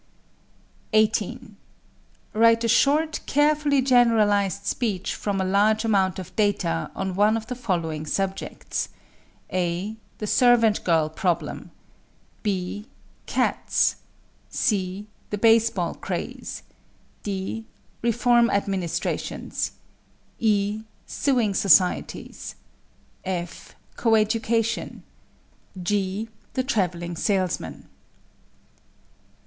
(See page 225.) 18. Write a short, carefully generalized speech from a large amount of data on one of the following subjects: (a) The servant girl problem; (b) cats; (c) the baseball craze; (d) reform administrations; (e) sewing societies; (f) coeducation; (g) the traveling salesman.